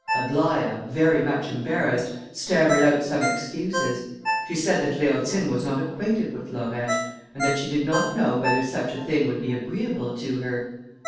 Aglaïa, very much embarrassed, stammered out some excuses; she said that Leontine was not acquainted with Laurette, and that she did not know whether such a thing would be agreeable to her.